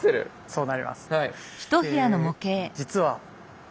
そうなります。